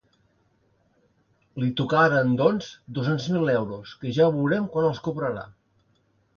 Li tocaran, doncs, dos-cents mil euros, que ja veurem quan els cobrarà.